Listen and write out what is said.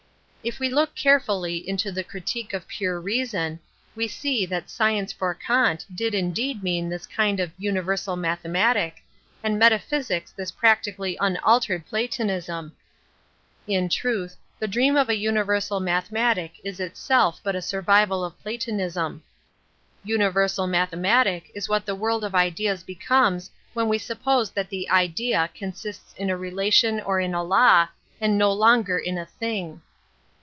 If we look carefully into the Critique of Pure Reason, we see that science for Kant did indeed mean this kind of universal matfie matic, and metaphysics this practically un \n Introduction to altpred Platonism, In truth, the drt a universal mathematic is itself but a sur vival nf Platonism, TJniversai mathematic is what the world of ideas becomes when we suppose that the Idea consists in a relation or in a law, and no Icmger in a thing.